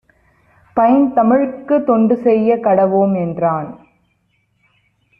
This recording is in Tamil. "பைந்தமிழ்க்குத் தொண்டுசெயக் கடவோம்" என்றான்.